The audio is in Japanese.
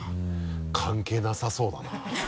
関係なさそうだな。